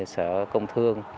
sở công thương